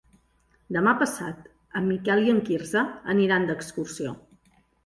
Demà passat en Miquel i en Quirze aniran d'excursió.